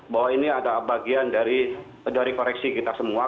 bahwa ini ada bagian dari koreksi kita semua